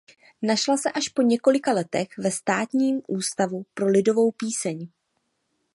Našla se až po několika letech ve Státním ústavu pro lidovou píseň.